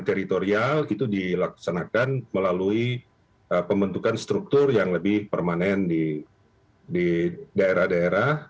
dan teritorial itu dilaksanakan melalui pembentukan struktur yang lebih permanen di daerah daerah